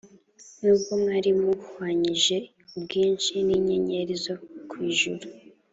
n’ubwo mwari muhwanyije ubwinshi n’inyenyeri zo ku ijuru,